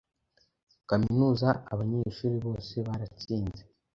Kaminuza abanyeshuri bose baratsinze